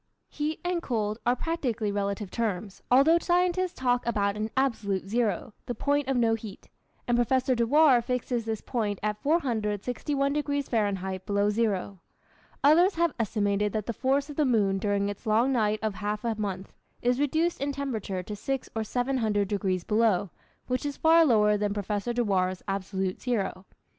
Heat and cold are practically relative terms, although scientists talk about an "absolute zero" (the point of no heat), and Professor Dewar fixes this point at 461 degrees Fahrenheit below zero. Others have estimated that the force of the moon during its long night of half a month, is reduced in temperature to six or seven hundred degrees below, which is far lower than Professor Dewar's absolute zero.